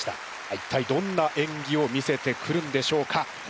一体どんなえんぎを見せてくるんでしょうか。